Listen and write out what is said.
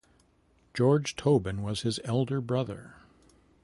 George Tobin was his elder brother.